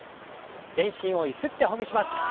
全身をゆすってほぐします。